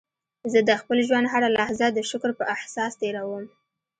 زه د خپل ژوند هره لحظه د شکر په احساس تېرووم.